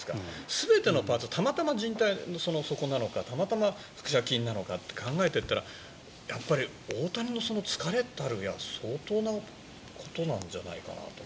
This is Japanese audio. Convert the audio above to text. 全てのパーツがたまたま、じん帯のそこなのかたまたま腹斜筋なのかって考えたら大谷の疲れたるや相当なことなんじゃないかなと。